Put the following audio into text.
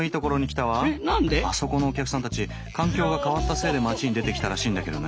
あそこのお客さんたち環境が変わったせいで街に出てきたらしいんだけどね。